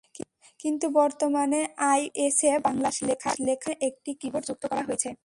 কিন্তু বর্তমানে আইওএসে বাংলা লেখার জন্য একটি কিবোর্ড যুক্ত করা হয়েছে।